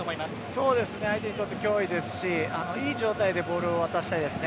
そうですね、相手にとって脅威ですし、いい状態でボールを渡したいですね。